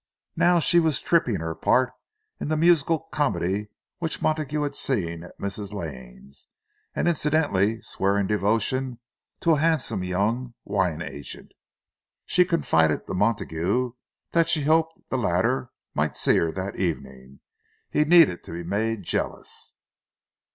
Now she was tripping her part in the musical comedy which Montague had seen at Mrs. Lane's; and incidentally swearing devotion to a handsome young "wine agent." She confided to Montague that she hoped the latter might see her that evening—he needed to be made jealous.